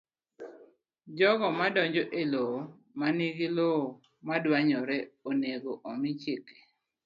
jogo madonjo e lowo ma nigi lowo modwanyore onego omi chike